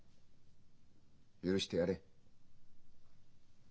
許してやれ。